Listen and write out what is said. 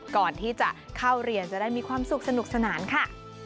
ก่อนที่จะเข้าเรียนจะได้มีความสุขสนุกสนานค่ะ